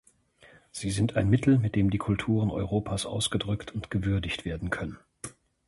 Sie sind ein Mittel, mit dem die Kulturen Europas ausgedrückt und gewürdigt werden können.